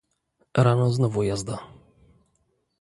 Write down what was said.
"Rano znowu jazda."